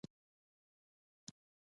کشمیر د ځمکې جنت دی.